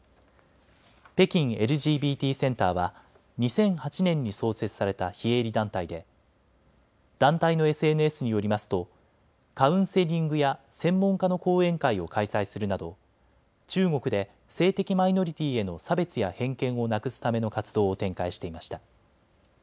北京ＬＧＢＴセンターは２００８年に創設された非営利団体で団体のＳＮＳによりますとカウンセリングや専門家の講演会を開催するなど中国で性的マイノリティーへの差別や偏見をなくすための活動を展開していました。